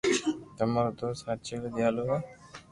تمو رو دوست ھاچيلي ديالو ھي